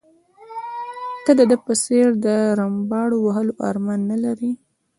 ته د ده په څېر د رمباړو وهلو ارمان نه لرې.